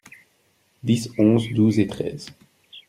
dix, onze, douze et treize.